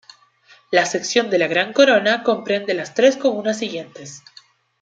La sección de la Gran Corona comprende las tres comunas siguientes